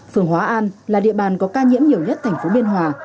phường hóa an là địa bàn có ca nhiễm nhiều nhất tp biên hòa